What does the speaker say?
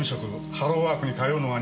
ハローワークに通うのが日課。